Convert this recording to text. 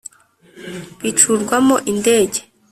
Bicurwamo indege